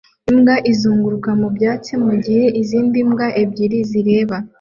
Imbwa izunguruka mu byatsi mu gihe izindi mbwa ebyiri zireba